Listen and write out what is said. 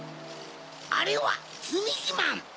あれはつみきまん！